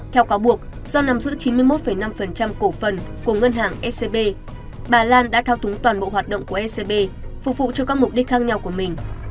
theo cáo buộc do nắm giữ chín mươi một năm cổ phần của ngân hàng scb bà lan đã thao túng toàn bộ hoạt động của ecb phục vụ cho các mục đích khác nhau của mình